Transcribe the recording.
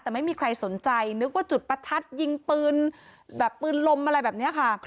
แต่ไม่มีใครสนใจนึกว่าจุดประทัดยิงปืนแบบปืนลมอะไรแบบนี้ค่ะ